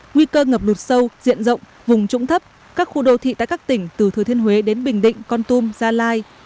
nguy cơ ngập lụt sâu diện rộng vùng trũng thấp các khu đô thị tại các tỉnh từ thừa thiên huế đến bình định con tum gia lai